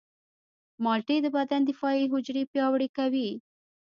مالټې د بدن دفاعي حجرې پیاوړې کوي.